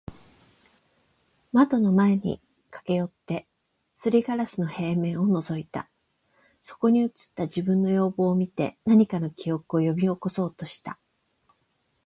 ……窓の前に駈け寄って、磨硝子の平面を覗いた。そこに映った自分の容貌を見て、何かの記憶を喚び起そうとした。